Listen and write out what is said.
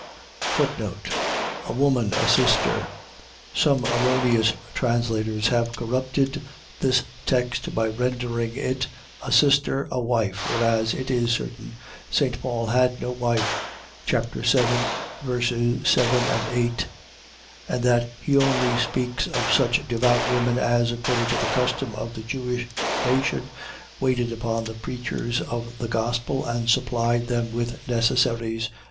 A woman, a sister. . .Some erroneous translators have corrupted this text by rendering it, a sister, a wife: whereas, it is certain, St. Paul had no wife (chap. 7 ver. 7, 8) and that he only speaks of such devout women, as, according to the custom of the Jewish nation, waited upon the preachers of the gospel, and supplied them with necessaries.